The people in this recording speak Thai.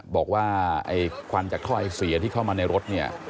บอกว่าควันจากท่อไอเสียที่เข้ามาในรถ